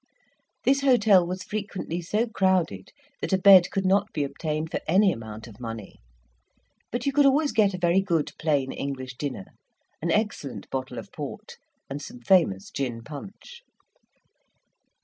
This hotel was frequently so crowded that a bed could not be obtained for any amount of money; but you could always get a very good plain English dinner, an excellent bottle of port, and some famous gin punch.